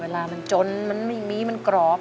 เวลามันจนมันไม่มีมันกรอบ